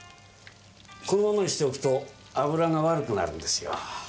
このままにしておくと油が悪くなるんですよ。